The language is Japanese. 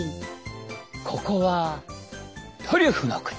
ここはトリュフの国。